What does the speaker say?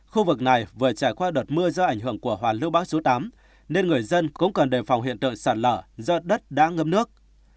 khu vực này vừa trải qua đợt mưa do ảnh hưởng của hoàn lưu bão số tám nên người dân cũng cần đề phòng hiện tượng sạt lở do đất đã ngâm nước